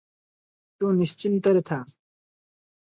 ତୁ ନିଶ୍ଚିନ୍ତରେ ଥା ।"